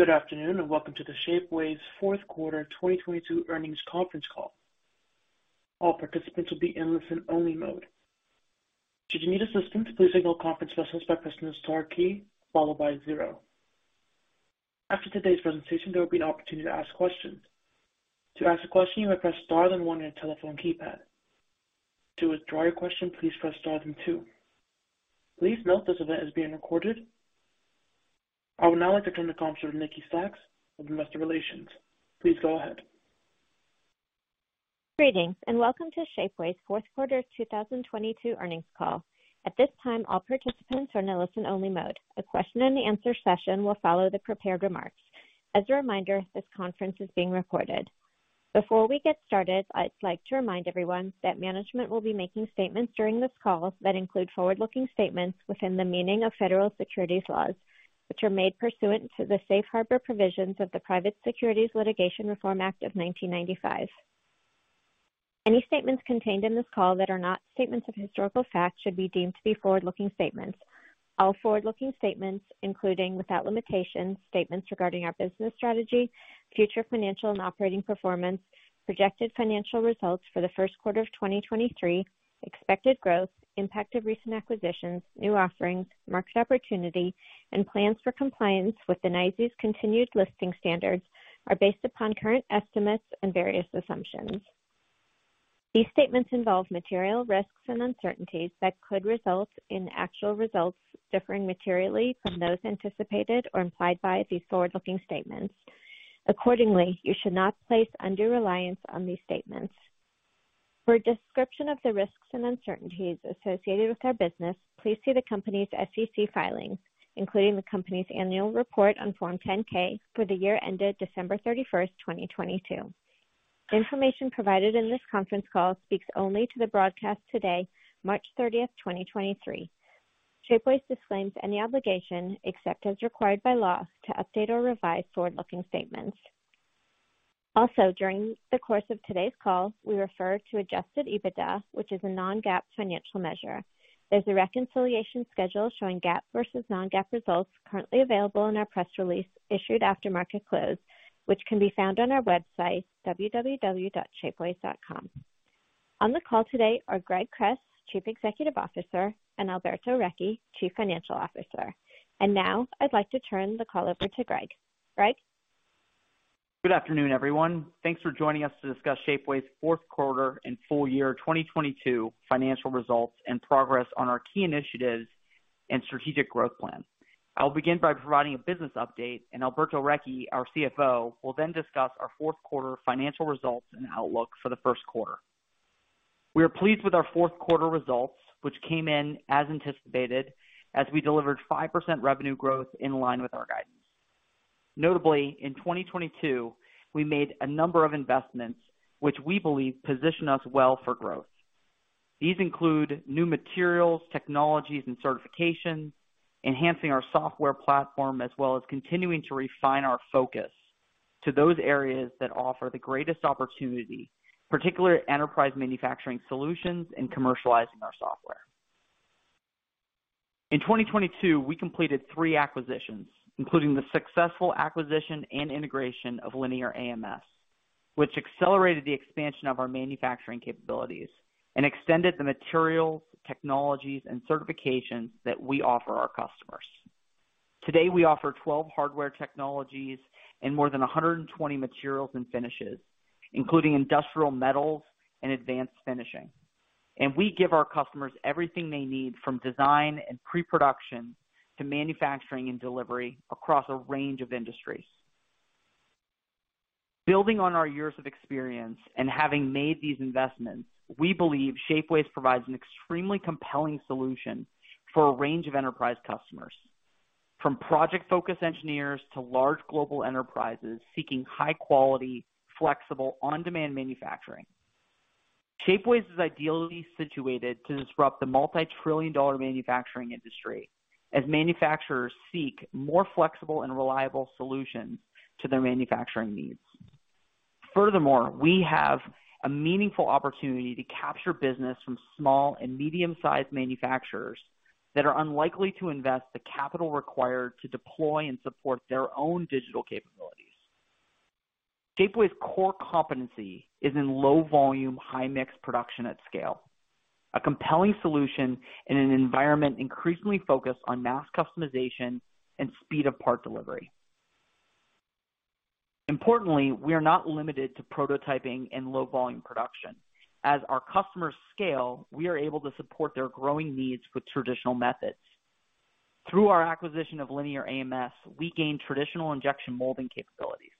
Good afternoon, welcome to the Shapeways fourth quarter 2022 earnings conference call. All participants will be in listen-only mode. Should you need assistance, please signal conference hostess by pressing the star key followed by zero. After today's presentation, there will be an opportunity to ask questions. To ask a question, you may press star then one on your telephone keypad. To withdraw your question, please press star then two. Please note this event is being recorded. I would now like to turn the conference over to Nikki Sacks of Investor Relations. Please go ahead. Greetings, welcome to Shapeways fourth quarter 2022 earnings call. At this time, all participants are in listen-only mode. The question and answer session will follow the prepared remarks. As a reminder, this conference is being recorded. Before we get started, I'd like to remind everyone that management will be making statements during this call that include forward-looking statements within the meaning of federal securities laws, which are made pursuant to the Safe Harbor provisions of the Private Securities Litigation Reform Act of 1995. Any statements contained in this call that are not statements of historical fact should be deemed to be forward-looking statements. All forward-looking statements, including, without limitation, statements regarding our business strategy, future financial and operating performance, projected financial results for the first quarter of 2023, expected growth, impact of recent acquisitions, new offerings, market opportunity, and plans for compliance with the NYSE's continued listing standards are based upon current estimates and various assumptions. These statements involve material risks and uncertainties that could result in actual results differing materially from those anticipated or implied by these forward-looking statements. Accordingly, you should not place undue reliance on these statements. For a description of the risks and uncertainties associated with our business, please see the company's SEC filings, including the company's annual report on Form 10-K for the year ended December thirty-first, 2022. Information provided in this conference call speaks only to the broadcast today, March thirtieth, 2023. Shapeways disclaims any obligation, except as required by law, to update or revise forward-looking statements. During the course of today's call, we refer to adjusted EBITDA, which is a non-GAAP financial measure. There's a reconciliation schedule showing GAAP versus non-GAAP results currently available in our press release issued after market close, which can be found on our website, www.shapeways.com. On the call today are Greg Kress, Chief Executive Officer, and Alberto Recchi, Chief Financial Officer. I'd like to turn the call over to Greg. Greg. Good afternoon, everyone. Thanks for joining us to discuss Shapeways' fourth quarter and full year 2022 financial results and progress on our key initiatives and strategic growth plan. I'll begin by providing a business update, and Alberto Recchi, our CFO, will then discuss our fourth quarter financial results and outlook for the first quarter. We are pleased with our fourth quarter results, which came in as anticipated as we delivered 5% revenue growth in line with our guidance. Notably, in 2022, we made a number of investments which we believe position us well for growth. These include new materials, technologies, and certifications, enhancing our software platform, as well as continuing to refine our focus to those areas that offer the greatest opportunity, particularly enterprise manufacturing solutions and commercializing our software. In 2022, we completed three acquisitions, including the successful acquisition and integration of Linear AMS, which accelerated the expansion of our manufacturing capabilities and extended the materials, technologies, and certifications that we offer our customers. Today, we offer 12 hardware technologies and more than 120 materials and finishes, including industrial metals and advanced finishing. We give our customers everything they need from design and pre-production to manufacturing and delivery across a range of industries. Building on our years of experience and having made these investments, we believe Shapeways provides an extremely compelling solution for a range of enterprise customers, from project-focused engineers to large global enterprises seeking high quality, flexible, on-demand manufacturing. Shapeways is ideally situated to disrupt the multi-trillion dollar manufacturing industry as manufacturers seek more flexible and reliable solutions to their manufacturing needs. We have a meaningful opportunity to capture business from small and medium-sized manufacturers that are unlikely to invest the capital required to deploy and support their own digital capabilities. Shapeways' core competency is in low volume, high mix production at scale, a compelling solution in an environment increasingly focused on mass customization and speed of part delivery. Importantly, we are not limited to prototyping and low volume production. As our customers scale, we are able to support their growing needs with traditional methods. Through our acquisition of Linear AMS, we gain traditional injection molding capabilities.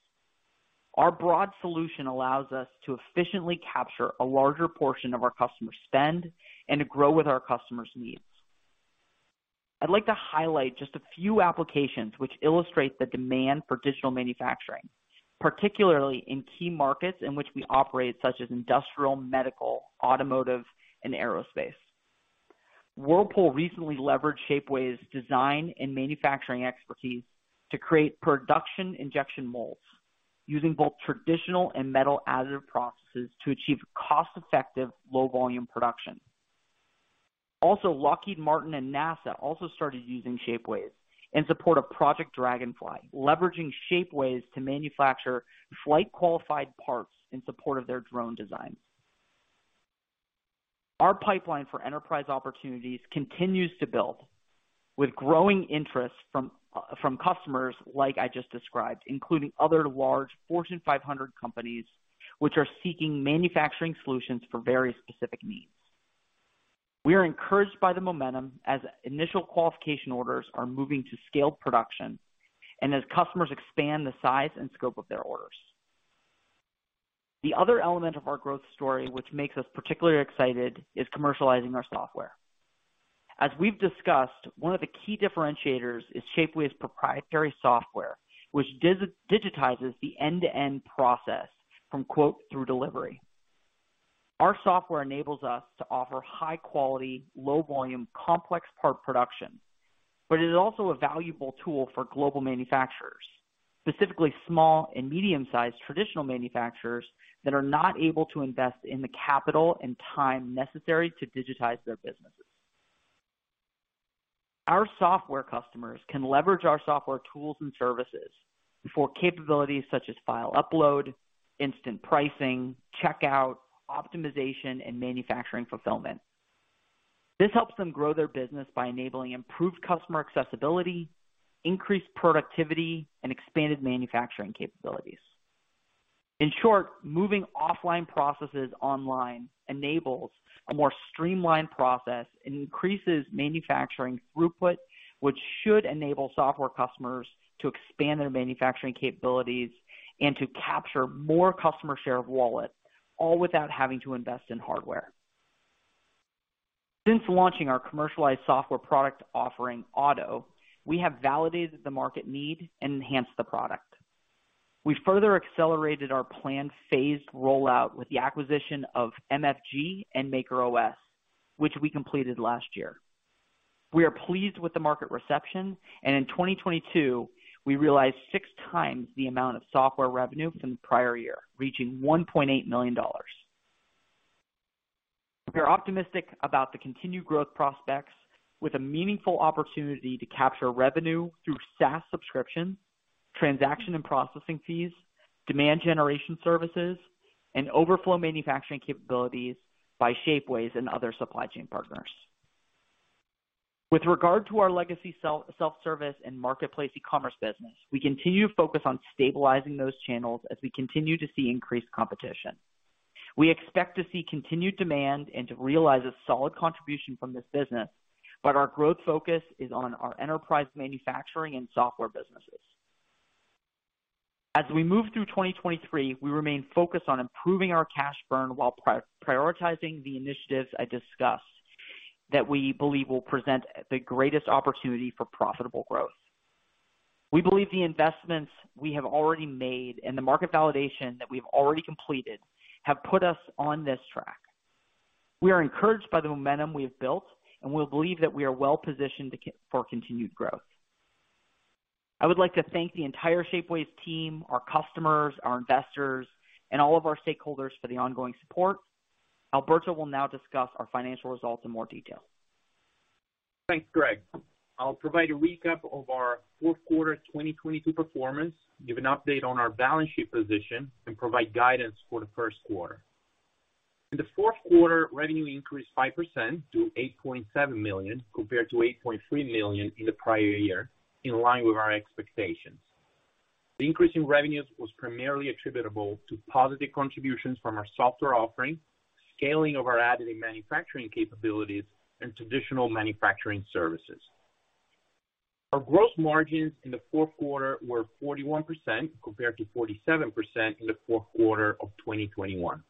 Our broad solution allows us to efficiently capture a larger portion of our customers' spend and to grow with our customers' needs. I'd like to highlight just a few applications which illustrate the demand for digital manufacturing, particularly in key markets in which we operate, such as industrial, medical, automotive, and aerospace. Whirlpool recently leveraged Shapeways' design and manufacturing expertise to create production injection molds using both traditional and metal additive processes to achieve cost-effective low volume production. Also, Lockheed Martin and NASA also started using Shapeways in support of Project Dragonfly, leveraging Shapeways to manufacture flight qualified parts in support of their drone design. Our pipeline for enterprise opportunities continues to build with growing interest from customers like I just described, including other large Fortune 500 companies which are seeking manufacturing solutions for various specific needs. We are encouraged by the momentum as initial qualification orders are moving to scaled production and as customers expand the size and scope of their orders. The other element of our growth story, which makes us particularly excited, is commercializing our software. As we've discussed, one of the key differentiators is Shapeways proprietary software, which digitizes the end-to-end process from quote through delivery. Our software enables us to offer high quality, low volume, complex part production. It is also a valuable tool for global manufacturers, specifically small and medium-sized traditional manufacturers that are not able to invest in the capital and time necessary to digitize their businesses. Our software customers can leverage our software tools and services for capabilities such as file upload, instant pricing, checkout, optimization, and manufacturing fulfillment. This helps them grow their business by enabling improved customer accessibility, increased productivity, and expanded manufacturing capabilities. In short, moving offline processes online enables a more streamlined process and increases manufacturing throughput, which should enable software customers to expand their manufacturing capabilities and to capture more customer share of wallet, all without having to invest in hardware. Since launching our commercialized software product offering, OTTO, we have validated the market need and enhanced the product. We further accelerated our planned phased rollout with the acquisition of MFG and MakerOS, which we completed last year. We are pleased with the market reception, and in 2022, we realized 6 times the amount of software revenue from the prior year, reaching $1.8 million. We are optimistic about the continued growth prospects with a meaningful opportunity to capture revenue through SaaS subscription, transaction and processing fees, demand generation services, and overflow manufacturing capabilities by Shapeways and other supply chain partners. With regard to our legacy self-service and marketplace e-commerce business, we continue to focus on stabilizing those channels as we continue to see increased competition. We expect to see continued demand and to realize a solid contribution from this business, but our growth focus is on our enterprise manufacturing and software businesses. As we move through 2023, we remain focused on improving our cash burn while prioritizing the initiatives I discussed that we believe will present the greatest opportunity for profitable growth. We believe the investments we have already made and the market validation that we have already completed have put us on this track. We are encouraged by the momentum we have built, and we believe that we are well positioned for continued growth. I would like to thank the entire Shapeways team, our customers, our investors, and all of our stakeholders for the ongoing support. Alberto will now discuss our financial results in more detail. Thanks, Greg. I'll provide a recap of our fourth quarter 2022 performance, give an update on our balance sheet position, and provide guidance for the first quarter. In the fourth quarter, revenue increased 5% to $8.7 million compared to $8.3 million in the prior year in line with our expectations. The increase in revenues was primarily attributable to positive contributions from our software offerings, scaling of our additive manufacturing capabilities, and traditional manufacturing services. Our gross margins in the fourth quarter were 41% compared to 47% in the fourth quarter of 2021.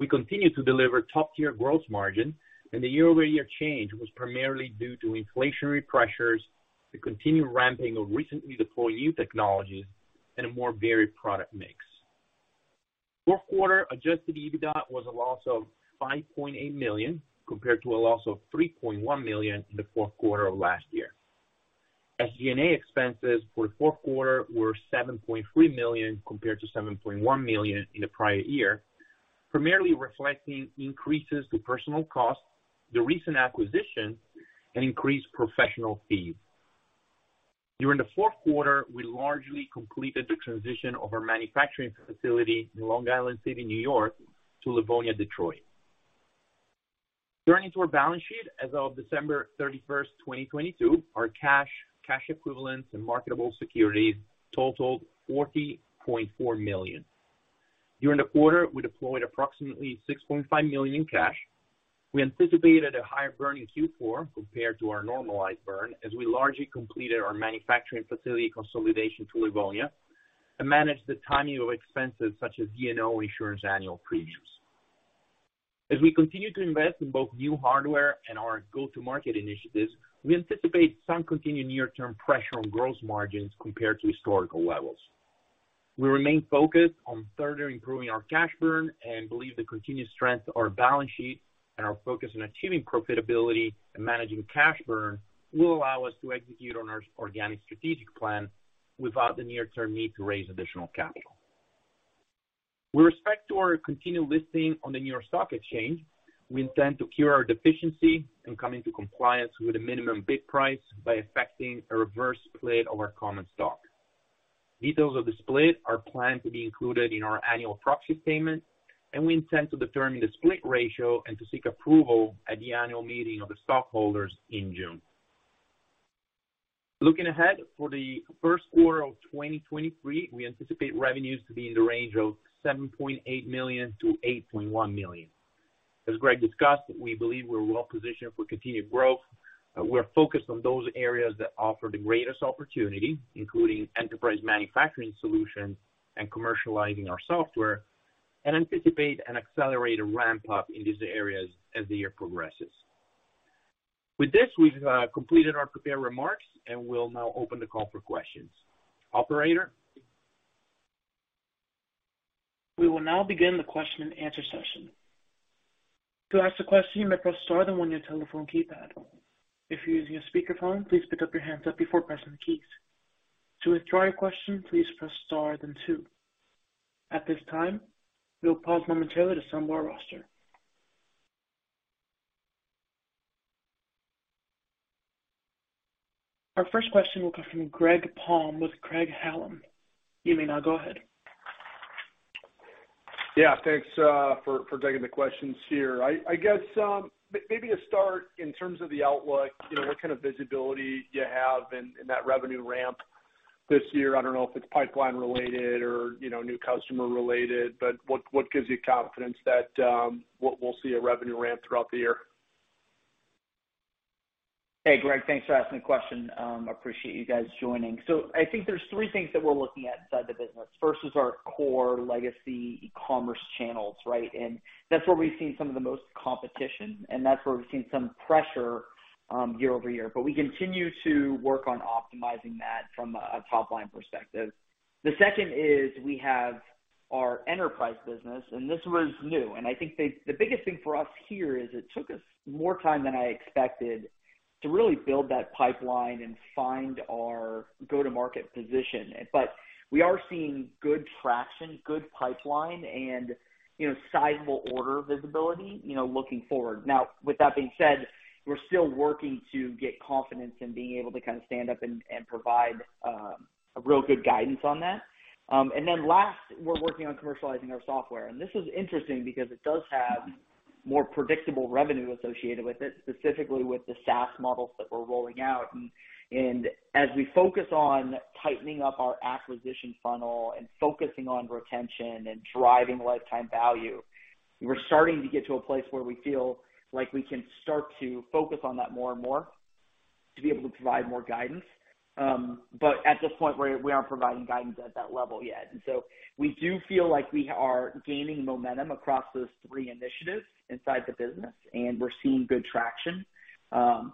We continue to deliver top-tier gross margin, and the year-over-year change was primarily due to inflationary pressures, the continued ramping of recently deployed new technologies, and a more varied product mix. Fourth quarter adjusted EBITDA was a loss of $5.8 million, compared to a loss of $3.1 million in the fourth quarter of last year. SG&A expenses for the fourth quarter were $7.3 million compared to $7.1 million in the prior year, primarily reflecting increases to personal costs, the recent acquisition, and increased professional fees. During the fourth quarter, we largely completed the transition of our manufacturing facility in Long Island City, New York, to Livonia, Detroit. Turning to our balance sheet. As of December 31, 2022, our cash equivalents, and marketable securities totaled $40.4 million. During the quarter, we deployed approximately $6.5 million in cash. We anticipated a higher burn in Q4 compared to our normalized burn as we largely completed our manufacturing facility consolidation to Livonia and managed the timing of expenses such as D&O insurance annual premiums. As we continue to invest in both new hardware and our go-to-market initiatives, we anticipate some continued near-term pressure on gross margins compared to historical levels. We remain focused on further improving our cash burn and believe the continued strength of our balance sheet and our focus on achieving profitability and managing cash burn will allow us to execute on our organic strategic plan without the near-term need to raise additional capital. With respect to our continued listing on the New York Stock Exchange, we intend to cure our deficiency and come into compliance with a minimum bid price by effecting a reverse split of our common stock. Details of the split are planned to be included in our annual proxy statement, we intend to determine the split ratio and to seek approval at the annual meeting of the stockholders in June. Looking ahead for the first quarter of 2023, we anticipate revenues to be in the range of $7.8 million-$8.1 million. As Greg discussed, we believe we're well positioned for continued growth. We're focused on those areas that offer the greatest opportunity, including enterprise manufacturing solutions and commercializing our software, anticipate an accelerated ramp up in these areas as the year progresses. With this, we've completed our prepared remarks, we'll now open the call for questions. Operator? We will now begin the question and answer session. To ask a question, you may press star then one on your telephone keypad. If you're using a speakerphone, please pick up your handset before pressing the keys. To withdraw your question, please press star then two. At this time, we'll pause momentarily to assemble our roster. Our first question will come from Greg Palm with Craig-Hallum. You may now go ahead. Yeah, thanks for taking the questions here. I guess, maybe to start in terms of the outlook, you know, what kind of visibility you have in that revenue ramp this year? I don't know if it's pipeline related or, you know, new customer related, but what gives you confidence that we'll see a revenue ramp throughout the year? Hey, Greg. Thanks for asking the question. Appreciate you guys joining. I think there's three things that we're looking at inside the business. First is our core legacy e-commerce channels, right? That's where we've seen some of the most competition, and that's where we've seen some pressure, year-over-year. We continue to work on optimizing that from a top line perspective. The second is we have our enterprise business, this was new. I think the biggest thing for us here is it took us more time than I expected to really build that pipeline and find our go-to-market position. We are seeing good traction, good pipeline and, you know, sizable order visibility, you know, looking forward. Now, with that being said, we're still working to get confidence in being able to kind of stand up and provide a real good guidance on that. Then last, we're working on commercializing our software. This is interesting because it does have more predictable revenue associated with it, specifically with the SaaS models that we're rolling out. As we focus on tightening up our acquisition funnel and focusing on retention and driving lifetime value, we're starting to get to a place where we feel like we can start to focus on that more and more to be able to provide more guidance. But at this point, we aren't providing guidance at that level yet. So we do feel like we are gaining momentum across those three initiatives inside the business, and we're seeing good traction.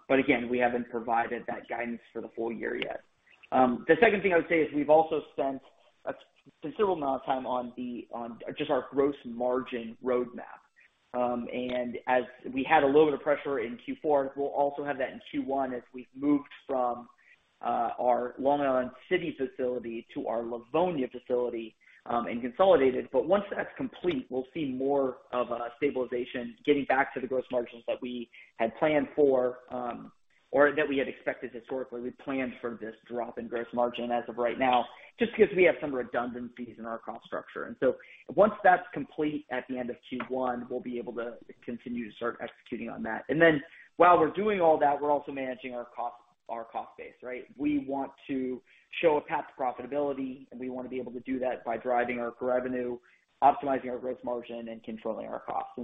Again, we haven't provided that guidance for the full year yet. The second thing I would say is we've also spent a considerable amount of time on just our gross margin roadmap. As we had a little bit of pressure in Q4, we'll also have that in Q1 as we've moved from our Long Island City facility to our Livonia facility and consolidated. Once that's complete, we'll see more of a stabilization getting back to the gross margins that we had planned for or that we had expected historically. We planned for this drop in gross margin as of right now, just 'cause we have some redundancies in our cost structure. Once that's complete at the end of Q1, we'll be able to continue to start executing on that. While we're doing all that, we're also managing our cost base, right? We want to show a path to profitability, and we wanna be able to do that by driving our revenue, optimizing our gross margin, and controlling our costs.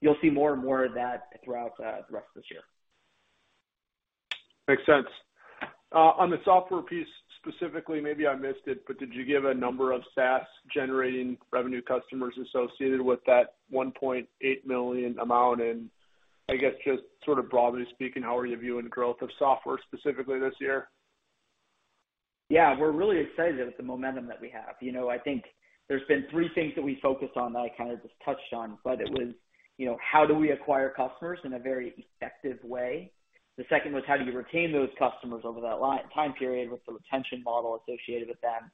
You'll see more and more of that throughout the rest of this year. Makes sense. On the software piece specifically, maybe I missed it, but did you give a number of SaaS generating revenue customers associated with that $1.8 million amount? I guess just sort of broadly speaking, how are you viewing the growth of software specifically this year? Yeah, we're really excited with the momentum that we have. You know, I think there's been three things that we focused on that I kinda just touched on, but it was, you know, how do we acquire customers in a very effective way? The second was, how do you retain those customers over that time period with the retention model associated with them?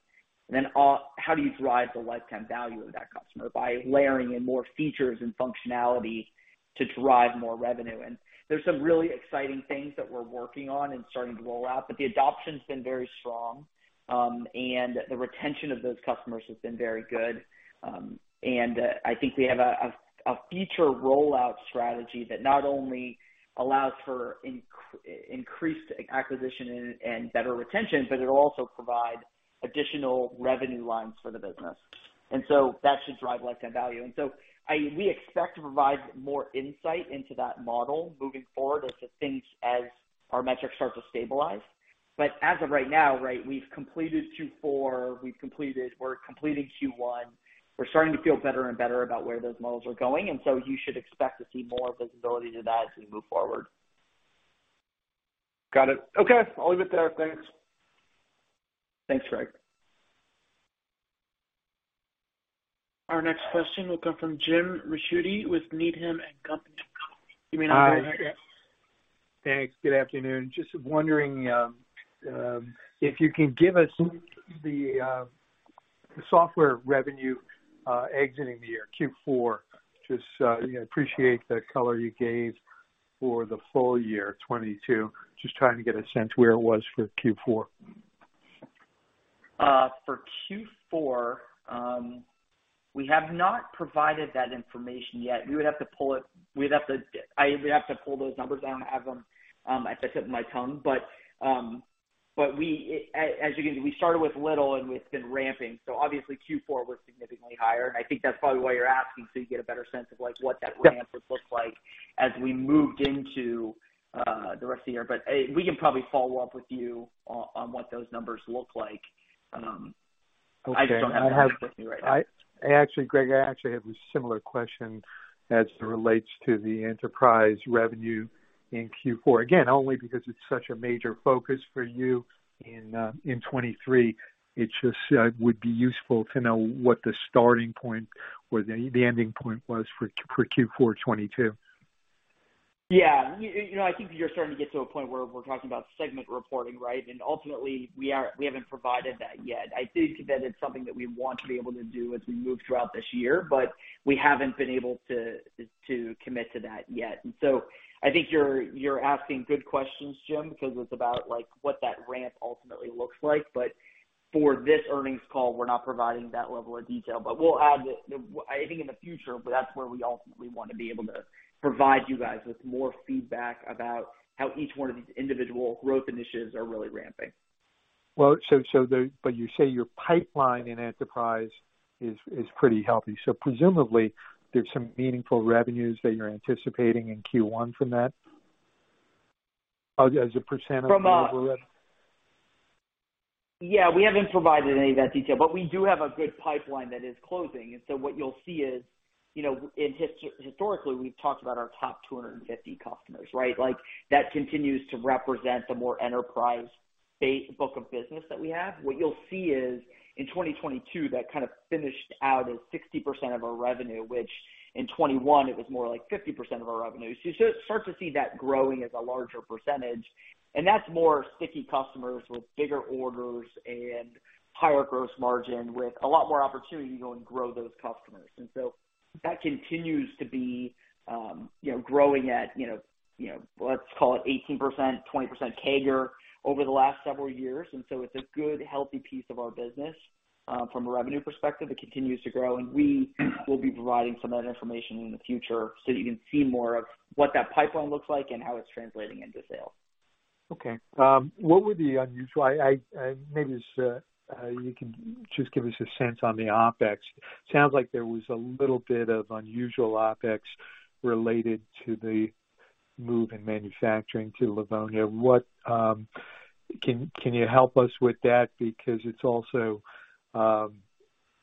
How do you drive the lifetime value of that customer by layering in more features and functionality to drive more revenue? There's some really exciting things that we're working on and starting to roll out, but the adoption's been very strong, and the retention of those customers has been very good. I think we have a future rollout strategy that not only allows for increased acquisition and better retention, but it'll also provide additional revenue lines for the business. That should drive lifetime value. We expect to provide more insight into that model moving forward as our metrics start to stabilize. As of right now, right, we've completed Q4, we're completing Q1. We're starting to feel better and better about where those models are going, you should expect to see more visibility to that as we move forward. Got it. Okay, I'll leave it there. Thanks. Thanks, Greg. Our next question will come from Jim Ricchiuti with Needham & Company. You may now go ahead. Thanks. Good afternoon. Just wondering, if you can give us the software revenue exiting the year, Q4. Just, you know, appreciate the color you gave for the full year 2022. Just trying to get a sense where it was for Q4. For Q4, we have not provided that information yet. We would have to pull those numbers. I don't have them at the tip of my tongue. We, as you can see, we started with little, and it's been ramping, so obviously Q4 was significantly higher. I think that's probably why you're asking, so you get a better sense of, like, what that ramp would look like as we moved into the rest of the year. We can probably follow up with you on what those numbers look like. I just don't have them with me right now. I actually, Greg, have a similar question as it relates to the enterprise revenue in Q4. Again, only because it's such a major focus for you in 2023. It just would be useful to know what the starting point or the ending point was for Q4 2022. Yeah. You know, I think you're starting to get to a point where we're talking about segment reporting, right? Ultimately we haven't provided that yet. I think that it's something that we want to be able to do as we move throughout this year, but we haven't been able to commit to that yet. I think you're asking good questions, Jim, because it's about like, what that ramp ultimately looks like. For this earnings call, we're not providing that level of detail. I think in the future, that's where we ultimately want to be able to provide you guys with more feedback about how each one of these individual growth initiatives are really ramping. Well, you say your pipeline in enterprise is pretty healthy, so presumably there's some meaningful revenues that you're anticipating in Q1 from that as a percentage of the overall revenue. Yeah, we haven't provided any of that detail, but we do have a good pipeline that is closing. What you'll see is, you know, historically, we've talked about our top 250 customers, right? Like that continues to represent the more enterprise book of business that we have. What you'll see is in 2022, that kind of finished out as 60% of our revenue, which in 2021 it was more like 50% of our revenue. You start to see that growing as a larger percentage, and that's more sticky customers with bigger orders and higher gross margin, with a lot more opportunity to go and grow those customers. That continues to be, you know, growing at, let's call it 18%-20% CAGR over the last several years. It's a good, healthy piece of our business, from a revenue perspective. It continues to grow, and we will be providing some of that information in the future so you can see more of what that pipeline looks like and how it's translating into sales. Okay. What were the unusual... maybe, you can just give us a sense on the OpEx? Sounds like there was a little bit of unusual OpEx related to the move in manufacturing to Livonia. What? Can you help us with that? Because it's also...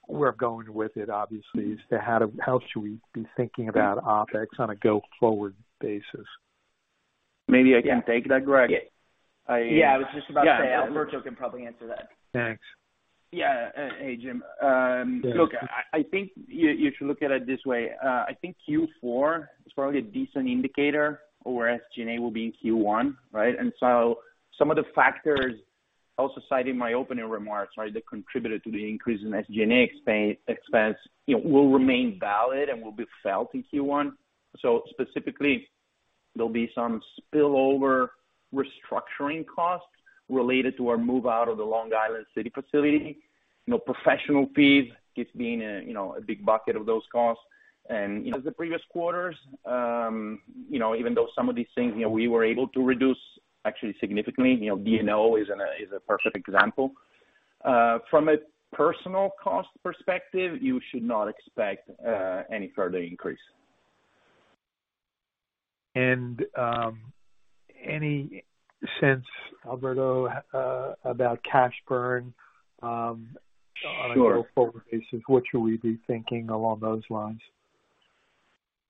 We're going with it obviously, is to how should we be thinking about OpEx on a go-forward basis? Maybe I can take that, Greg. Yeah. I- Yeah, I was just about to say Alberto can probably answer that. Thanks. Yeah. Hey, Jim. Look, I think you should look at it this way. I think Q4 is probably a decent indicator of where SG&A will be in Q1, right? Some of the factors also cited in my opening remarks, right, that contributed to the increase in SG&A expense, you know, will remain valid and will be felt in Q1. Specifically, there'll be some spillover restructuring costs related to our move out of the Long Island City facility. You know, professional fees, it's been a, you know, a big bucket of those costs and, you know, the previous quarters. You know, even though some of these things, you know, we were able to reduce actually significantly, you know, D&O is a perfect example. From a personal cost perspective, you should not expect any further increase. Any sense, Alberto, about cash burn, on a go-forward basis? What should we be thinking along those lines?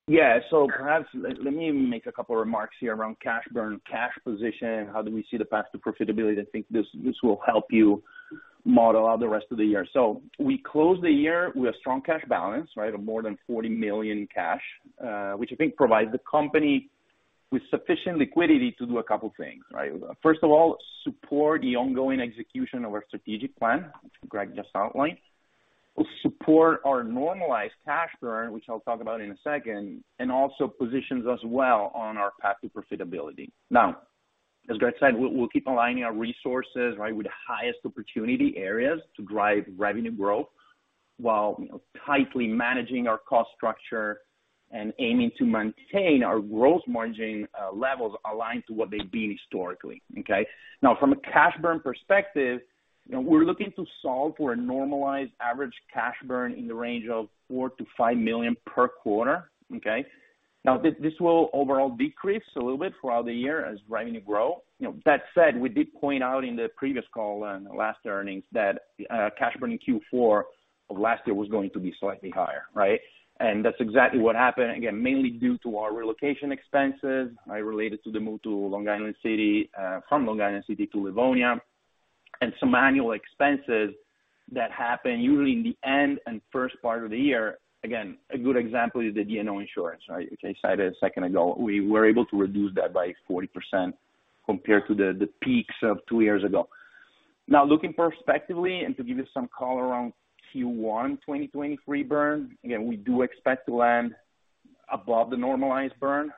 Perhaps let me make a couple of remarks here around cash burn, cash position, and how do we see the path to profitability. I think this will help you model out the rest of the year. We closed the year with a strong cash balance, right? Of more than $40 million in cash, which I think provides the company with sufficient liquidity to do a couple of things, right? First of all, support the ongoing execution of our strategic plan, which Greg just outlined. We'll support our normalized cash burn, which I'll talk about in a second, and also positions us well on our path to profitability. As Greg said, we'll keep aligning our resources, right, with the highest opportunity areas to drive revenue growth while tightly managing our cost structure and aiming to maintain our gross margin levels aligned to what they've been historically. Okay? From a cash burn perspective, you know, we're looking to solve for a normalized average cash burn in the range of $4 million-$5 million per quarter. Okay? This will overall decrease a little bit throughout the year as revenue grow. You know, that said, we did point out in the previous call and last earnings that cash burn in Q4 of last year was going to be slightly higher, right? That's exactly what happened. Mainly due to our relocation expenses, right, related to the move from Long Island City to Livonia. Some annual expenses that happen usually in the end and first part of the year. A good example is the D&O insurance, right? Which I cited a second ago. We were able to reduce that by 40% compared to the peaks of two years ago. Looking perspectively, and to give you some color around Q1 2023 burn, we do expect to land above the normalized burn,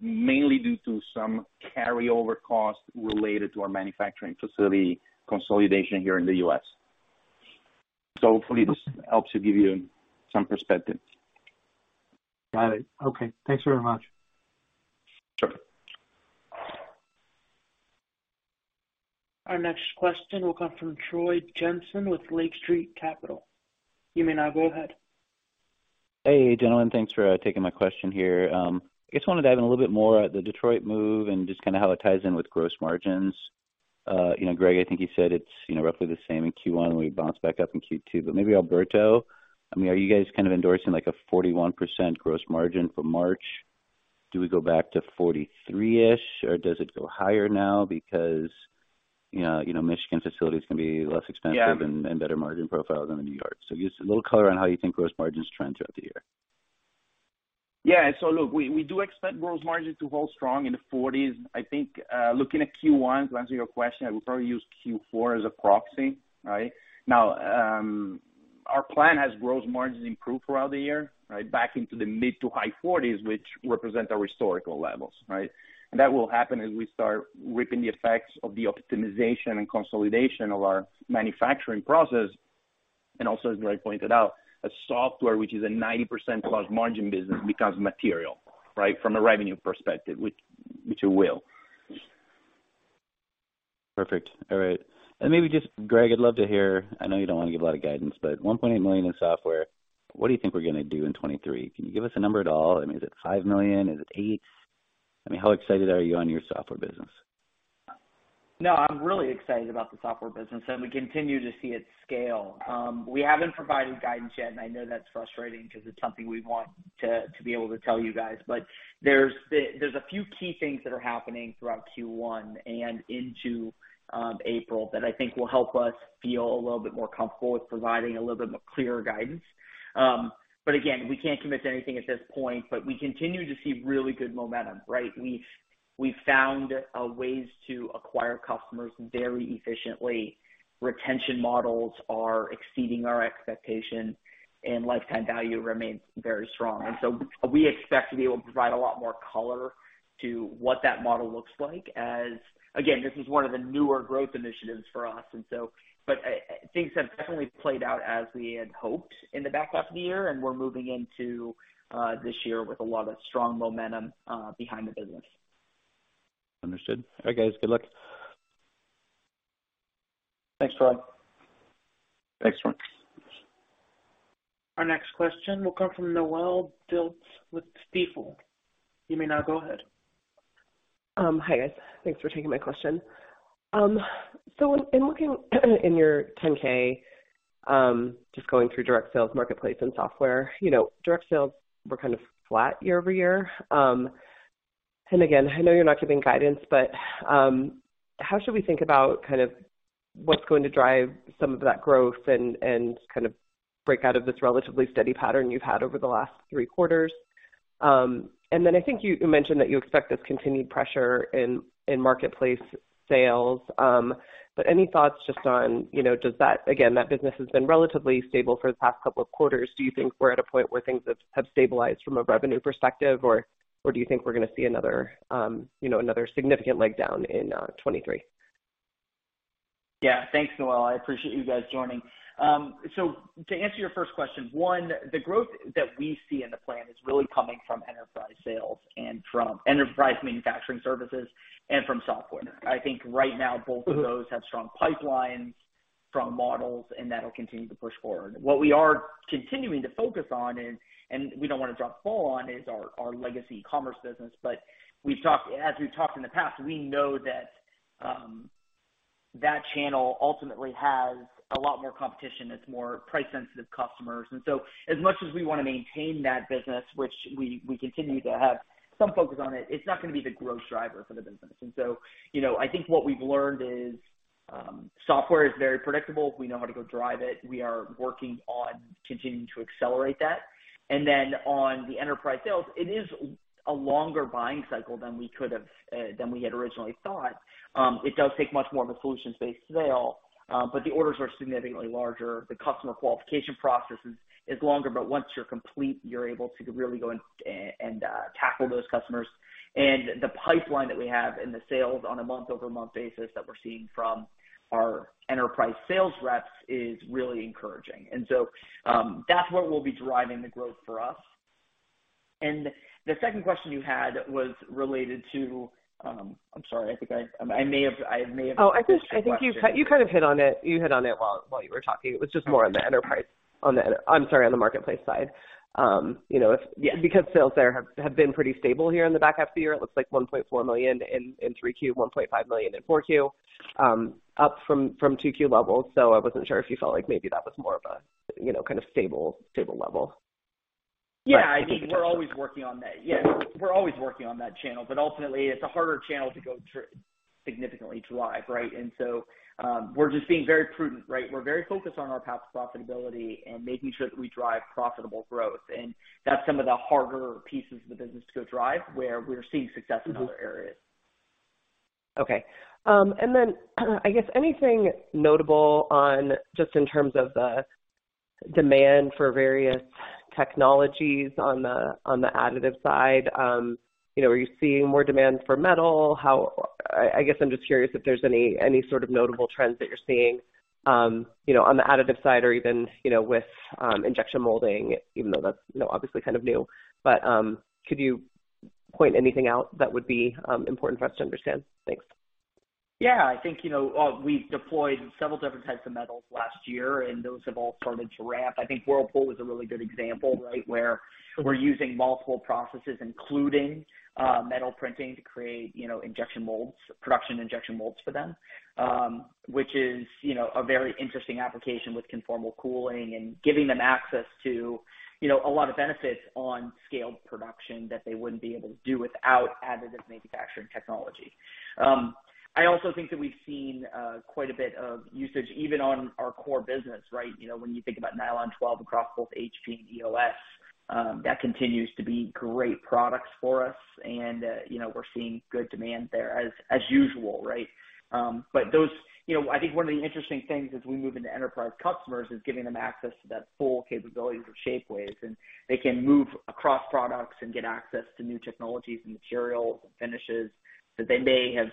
mainly due to some carryover costs related to our manufacturing facility consolidation here in the U.S. Hopefully this helps to give you some perspective. Got it. Okay. Thanks very much. Sure. Our next question will come from Troy Jensen with Lake Street Capital. You may now go ahead. Hey, gentlemen. Thanks for taking my question here. I just wanna dive in a little bit more at the Detroit move and just kinda how it ties in with gross margins. You know, Greg, I think you said it's, you know, roughly the same in Q1, we bounce back up in Q2. Maybe Alberto, I mean, are you guys kind of endorsing like a 41% gross margin for March? Do we go back to 43-ish, or does it go higher now because, you know, Michigan facilities can be less expensive. Yeah. Better margin profile than in New York. Just a little color on how you think gross margins trend throughout the year. Yeah. Look, we do expect gross margins to hold strong in the 40s. I think, looking at Q1, to answer your question, I would probably use Q4 as a proxy, right? Now, our plan has gross margins improve throughout the year, right? Back into the mid to high 40s, which represent our historical levels, right? That will happen as we start reaping the effects of the optimization and consolidation of our manufacturing process. Also, as Greg pointed out, a software which is a 90%+ margin business becomes material, right? From a revenue perspective, which it will. Perfect. All right. Maybe just Greg, I'd love to hear, I know you don't want to give a lot of guidance, but $1.8 million in software, what do you think we're gonna do in 2023? Can you give us a number at all? I mean, is it $5 million? Is it $8 million? I mean, how excited are you on your software business? No, I'm really excited about the software business, and we continue to see it scale. We haven't provided guidance yet, and I know that's frustrating because it's something we want to be able to tell you guys. There's a few key things that are happening throughout Q1 and into April that I think will help us feel a little bit more comfortable with providing a little bit more clearer guidance. Again, we can't commit to anything at this point, but we continue to see really good momentum, right? We've found ways to acquire customers very efficiently. Retention models are exceeding our expectation, and lifetime value remains very strong. We expect to be able to provide a lot more color to what that model looks like as... This is one of the newer growth initiatives for us but, things have definitely played out as we had hoped in the back half of the year, and we're moving into, this year with a lot of strong momentum, behind the business. Understood. All right, guys. Good luck. Thanks, Troy. Thanks, Troy. Our next question will come from Noelle Dilts with Stifel. You may now go ahead. Hi, guys. Thanks for taking my question. In, in looking in your 10-K, just going through direct sales, marketplace, and software, you know, direct sales were kind of flat year-over-year. Again, I know you're not giving guidance, but, how should we think about kind of what's going to drive some of that growth and kind of break out of this relatively steady pattern you've had over the last three quarters? I think you mentioned that you expect this continued pressure in marketplace sales, but any thoughts just on, you know, Again, that business has been relatively stable for the past couple of quarters. Do you think we're at a point where things have stabilized from a revenue perspective, or do you think we're gonna see another, you know, another significant leg down in 2023? Yeah. Thanks, Noelle. I appreciate you guys joining. To answer your first question, one, the growth that we see in the plan is really coming from enterprise sales and from enterprise manufacturing services and from software. I think right now both of those have strong pipelines from models, and that'll continue to push forward. What we are continuing to focus on is, and we don't wanna drop the ball on, is our legacy commerce business. As we've talked in the past, we know that channel ultimately has a lot more competition. It's more price-sensitive customers. As much as we wanna maintain that business, which we continue to have some focus on it's not gonna be the growth driver for the business. You know, I think what we've learned is, software is very predictable if we know how to go drive it. We are working on continuing to accelerate that. On the enterprise sales, it is a longer buying cycle than we could have than we had originally thought. It does take much more of a solutions-based sale, but the orders are significantly larger. The customer qualification process is longer, but once you're complete, you're able to really go and tackle those customers. The pipeline that we have and the sales on a month-over-month basis that we're seeing from our enterprise sales reps is really encouraging. That's what will be driving the growth for us. The second question you had was related to. I'm sorry. I may have. Oh, I think you kind of hit on it. You hit on it while you were talking. It was just more on the enterprise. I'm sorry, on the marketplace side. you know. Yeah. Sales there have been pretty stable here in the back half of the year. It looks like $1.4 million in 3Q, $1.5 million in 4Q, up from 2Q levels. I wasn't sure if you felt like maybe that was more of a, you know, kind of stable level. I mean, we're always working on that. We're always working on that channel, but ultimately, it's a harder channel to go significantly drive, right? We're just being very prudent, right? We're very focused on our path to profitability and making sure that we drive profitable growth. That's some of the harder pieces of the business to go drive where we're seeing success in other areas. Okay. Then, I guess anything notable on just in terms of the demand for various technologies on the, on the additive side. You know, are you seeing more demand for metal? I guess I'm just curious if there's any sort of notable trends that you're seeing, you know, on the additive side or even, you know, with injection molding, even though that's, you know, obviously kind of new. Could you point anything out that would be important for us to understand? Thanks. Yeah, I think, you know, we deployed several different types of metals last year, those have all started to ramp. I think Whirlpool is a really good example, right, where we're using multiple processes, including metal printing to create, you know, injection molds, production injection molds for them, which is, you know, a very interesting application with conformal cooling and giving them access to, you know, a lot of benefits on scaled production that they wouldn't be able to do without additive manufacturing technology. I also think that we've seen quite a bit of usage even on our core business, right? You know, when you think about Nylon 12 across both HP and EOS, that continues to be great products for us. You know, we're seeing good demand there as usual, right? Those... You know, I think one of the interesting things as we move into enterprise customers is giving them access to that full capabilities of Shapeways, and they can move across products and get access to new technologies and materials and finishes that they may have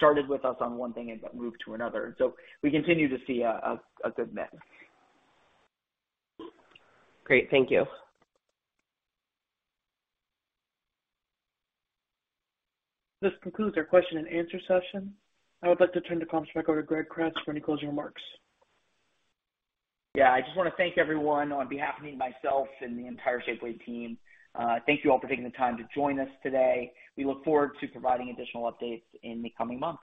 started with us on one thing and, but moved to another. We continue to see a good mix. Great. Thank you. This concludes our question and answer session. I would like to turn the conference back over to Greg Kress for any closing remarks. I just want to thank everyone on behalf of me, myself, and the entire Shapeways team. Thank you all for taking the time to join us today. We look forward to providing additional updates in the coming months.